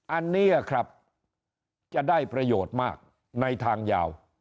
อันนี้ครับจะได้ประโยชน์มากในทางยาว